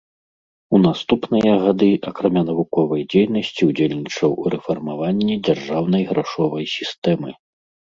У наступныя гады, акрамя навуковай дзейнасці ўдзельнічаў у рэфармаванні дзяржаўнай грашовай сістэмы.